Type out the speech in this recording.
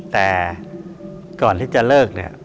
แต่ก่อนที่จะเลิกเนี่ย